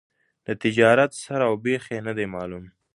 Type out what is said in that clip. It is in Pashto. د تجارت سر او بېخ یې نه دي معلوم.